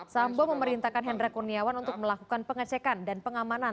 sambo memerintahkan hendra kurniawan untuk melakukan pengecekan dan pengamanan